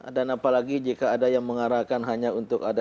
kalau tidak ya dan apalagi jika ada yang mengarahkan hanya untuk keputusan